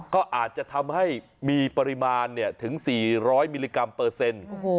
ก็อาจจะทำให้มีปริมาณถึง๔๐๐มิลลิกรัมเปอร์เซ็นต์